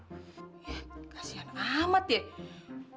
ya kasihan amat ya